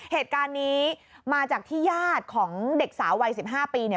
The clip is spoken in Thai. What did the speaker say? เหตุการณ์นี้มาจากที่ญาติของเด็กสาววัย๑๕ปีเนี่ย